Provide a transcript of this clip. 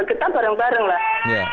kita bareng bareng lah